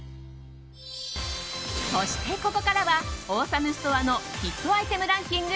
そして、ここからはオーサムストアのヒットアイテムランキング